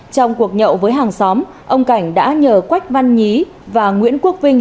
trong cuộc nhậu với hàng xóm ông cảnh đã nhờ quách văn nhí và nguyễn quốc vinh